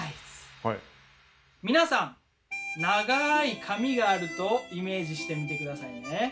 皆さん長い髪があるとイメージしてみて下さいね。